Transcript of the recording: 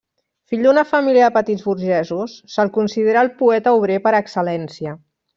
Fill d'una família de petits burgesos, se'l considera el poeta obrer per excel·lència.